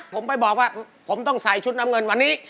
ผมไปบอกว่าผมต้องใส่ชุดน้ำเงินวันนี้